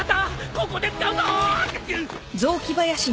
ここで使うぞ！